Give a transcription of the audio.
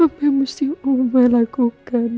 apa yang mesti ubah lakukan